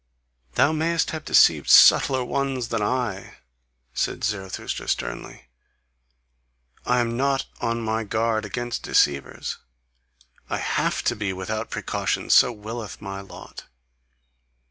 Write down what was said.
"Thou mayest have deceived subtler ones than I," said Zarathustra sternly. "I am not on my guard against deceivers; I HAVE TO BE without precaution: so willeth my lot.